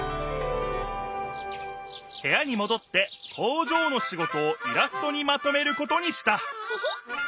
へやにもどって工場の仕事をイラストにまとめることにしたヘヘッ。